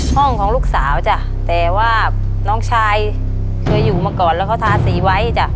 ห้องของลูกสาวจ้ะแต่ว่าน้องชายเคยอยู่มาก่อนแล้วเขาทาสีไว้จ้ะ